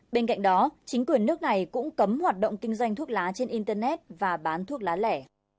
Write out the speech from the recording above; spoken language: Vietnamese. bên cạnh đó chính quyền nước này cũng cấm hoạt động kinh doanh thuốc lá trên internet và bán thuốc lá lẻ